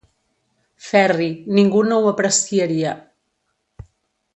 Ferri, ningú no ho apreciaria.